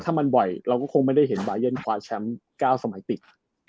ถ้ามันบ่อยเราก็คงไม่ได้เห็นบาเย็นคว้าแชมป์๙สมัยติด